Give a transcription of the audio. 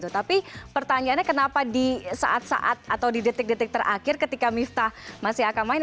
tapi pertanyaannya kenapa di saat saat atau di detik detik terakhir ketika miftah masih akan main